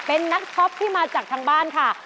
เป็นนักช็อปที่มาจากทางบ้านค่ะ